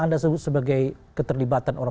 anda sebut sebagai keterlibatan